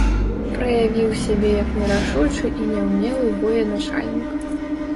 Праявіў сябе як нерашучы і няўмелы военачальнік.